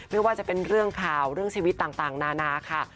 ไม่ว่าจะเป็นเรื่องข่าวเรื่องชีวิตต่างนานาค่ะ